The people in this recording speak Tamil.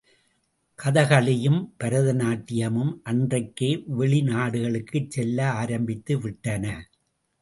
கதகளியும், பரதநாட்டியமும் அன்றைக்கே வெளிநாடுகளுக்குச் செல்ல ஆரம்பித்து விட்டன.